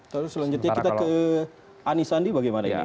terus selanjutnya kita ke anisandi bagaimana